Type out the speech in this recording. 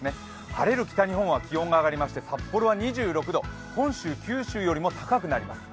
晴れる北日本は気温が上がりまして、札幌は２６度、本州、九州よりも高くなります。